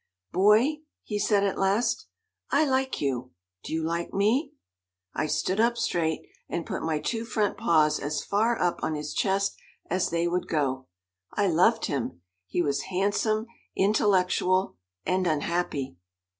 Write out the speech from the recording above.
"Boy," he said at last, "I like you; do you like me?" I stood up straight, and put my two front paws as far up on his chest as they would go. I loved him. He was handsome, intellectual and unhappy.